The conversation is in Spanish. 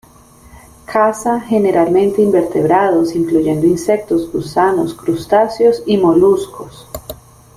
Caza generalmente invertebrados, incluyendo insectos, gusanos, crustáceos y moluscos.